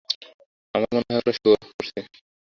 আমার মনে হয় ওরা শো-অফ করছে।